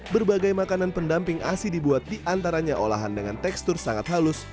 berbagai makanan pendamping asi dibuat diantaranya olahan dengan tekstur sangat halus